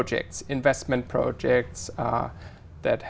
các bạn có thể nói về cách